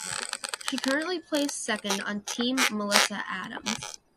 She currently plays second on Team Melissa Adams.